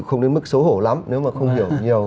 không đến mức xấu hổ lắm nếu mà không hiểu nhiều